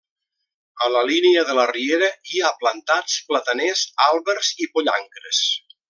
A la línia de la riera hi ha plantats plataners, àlbers i pollancres.